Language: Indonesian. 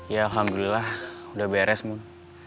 ya alhamdulillah udah beres bu